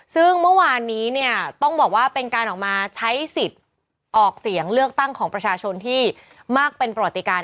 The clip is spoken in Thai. ซึ่งเมื่อวานนี้เนี่ยต้องบอกว่าเป็นการออกมาใช้สิทธิ์ออกเสียงเลือกตั้งของประชาชนที่มากเป็นประวัติการ